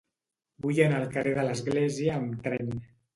Vull anar al carrer de l'Església amb tren.